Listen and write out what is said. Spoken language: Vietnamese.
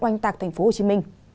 oanh tạc thành phố hồ chí minh